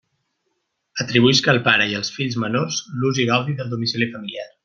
Atribuïsc al pare i als fills menors l'ús i gaudi del domicili familiar.